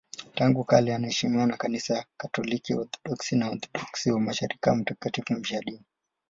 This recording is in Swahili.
Tangu kale anaheshimiwa na Kanisa Katoliki, Waorthodoksi na Waorthodoksi wa Mashariki kama mtakatifu mfiadini.